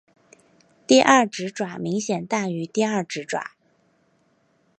第二指爪明显大于第二指爪。